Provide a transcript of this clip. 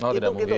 oh tidak mungkin